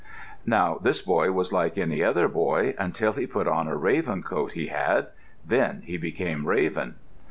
Now this boy was like any other boy until he put on a raven coat he had. Then he became Raven.